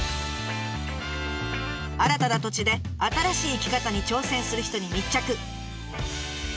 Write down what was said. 新たな土地で新しい生き方に挑戦する人に密着。